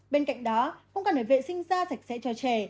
bên cạnh đó cũng cần phải vệ sinh da sạch sẽ cho trẻ